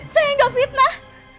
saya enggak fitnah